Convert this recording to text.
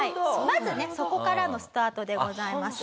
まずねそこからのスタートでございます。